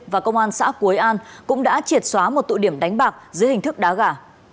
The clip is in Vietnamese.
và công an xã quế an cũng đã triệt xóa một tụ điểm đánh bạc dưới hình thức đá gà